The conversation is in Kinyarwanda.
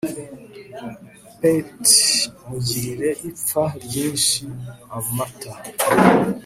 pt mugirire ipfa ryinshi amata